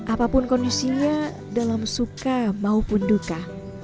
apapun kondisinya dalam suka maupun duka